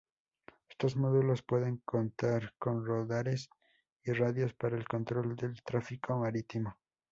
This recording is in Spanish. Estos módulos pueden contar con radares y radios para el control del tráfico marítimo.